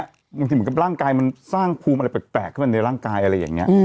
บางทีเหมือนกับร่างกายมันสร้างภูมิอะไรแปลกขึ้นมาในร่างกายอะไรอย่างนี้